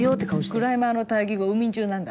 クライマーの対義語「海人」なんだ。